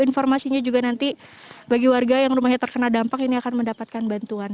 informasinya juga nanti bagi warga yang rumahnya terkena dampak ini akan mendapatkan bantuan